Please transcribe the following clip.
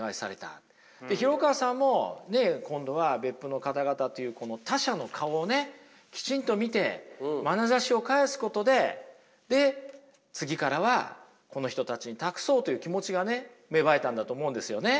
廣川さんも今度は別府の方々という他者の顔をねきちんと見てまなざしを返すことで次からはこの人たちに託そうという気持ちがね芽生えたんだと思うんですよね。